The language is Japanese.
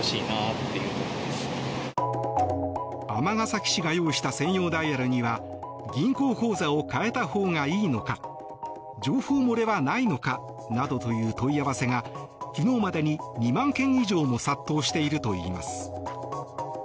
尼崎市が用意した専用ダイヤルには銀行口座を変えたほうがいいのか情報漏れはないのかなどという問い合わせが昨日までに２万件以上も殺到しているといいます。